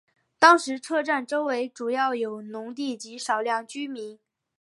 当时车站周围主要有农地及少量民居。